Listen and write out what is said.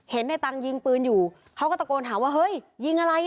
เห็นนายตังยิงปืนอยู่เขาก็ตะโกนถามว่าเฮ้ยยิงอะไรเนี่ย